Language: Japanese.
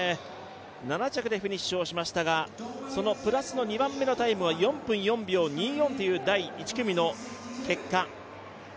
７着でフィニッシュをしましたがプラス２のタイムは４分４秒２４という第１組の結果。